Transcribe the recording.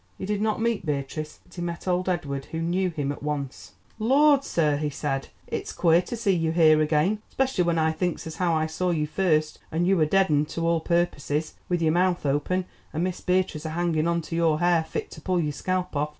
He did not meet Beatrice, but he met old Edward, who knew him at once. "Lord, sir," he said, "it's queer to see you here again, specially when I thinks as how I saw you first, and you a dead 'un to all purposes, with your mouth open, and Miss Beatrice a hanging on to your hair fit to pull your scalp off.